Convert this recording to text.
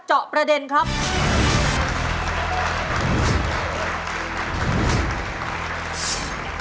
ตอบเลยล่ะลูก